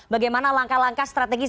bagaimana langkah langkah strategis